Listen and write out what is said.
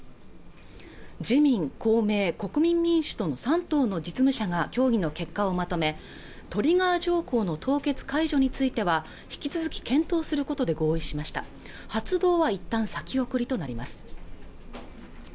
自民、公明、国民民主党の３党の実務者が協議の結果をまとめトリガー条項の凍結解除については引き続き検討することで合意しました発動はいったん先送りとなります